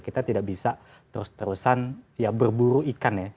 kita tidak bisa terus terusan ya berburu ikan ya